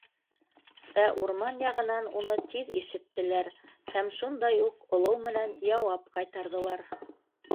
Ә урман яғынан уны тиҙ ишеттеләр һәм шундай уҡ олоу менән яуап ҡайтарҙылар.